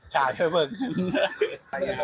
ใช่ทำให้นี่ออกมานะ